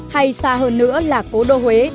hay xa hơn nữa là phố đô huế